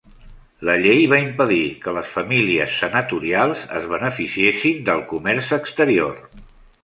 La llei va impedir que les famílies senatorials es beneficiessin del comerç exterior.